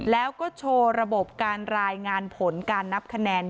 แล้วก็โชว์ระบบการรายงานผลการนับคะแนน